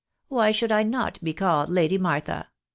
Why should I not be called Lady Martha